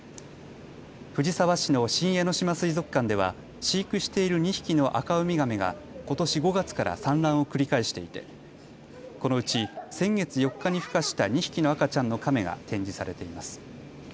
藤沢市の新江ノ島水族館では飼育している２匹のアカウミガメがことし５月から産卵を繰り返していて、このうち先月４日にふ化した２匹の赤ちゃんのカメが展示されています。